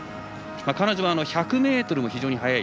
彼女は１００ｍが非常に速い。